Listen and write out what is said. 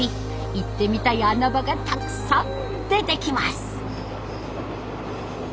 行ってみたい穴場がたくさん出てきます。